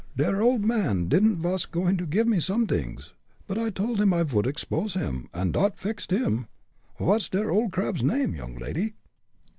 "Der old man didn't vas goin' to give me somedings, but I told him I would expose him, und dot fixed him. Vot's der old crab's name, young lady?"